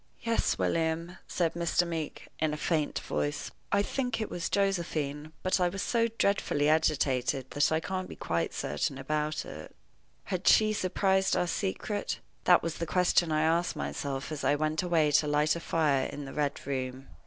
"Yes, William," said Mr. Meeke, in a faint voice, "I think it was Josephine; but I was so dreadfully agitated that I can't be quite certain about it." Had she surprised our secret? That was the question I asked myself as I went away to light the fire in the Red Room.